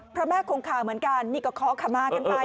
พระแม่คงขาเหมือนกันนี่ก็ขอคำมากันไปนะครับ